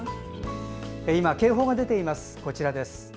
今、警報が出ています。